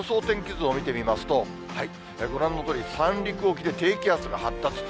天気図を見てみますと、ご覧のとおり、三陸沖で低気圧が発達。